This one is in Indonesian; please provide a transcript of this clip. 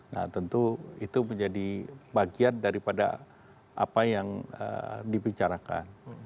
nah tentu itu menjadi bagian daripada apa yang dibicarakan